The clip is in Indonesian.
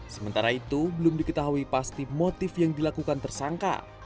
sementara itu belum diketahui pasti motif yang dilakukan tersangka